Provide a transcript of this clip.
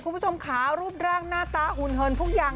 คุณผู้ชมค่ะรูปร่างหน้าตาหุ่นเหินทุกอย่าง